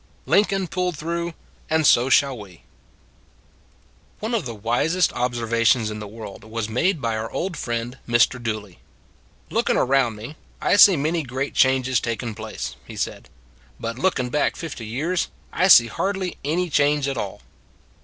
LINCOLN PULLED THROUGH, AND SO SHALL WE ONE of the wisest observations in the world was made by our old friend Mr. Dooley. " Lookin around me, I see many great changes takin place," he said; "but lookin back fifty years, I see hardly any change at all."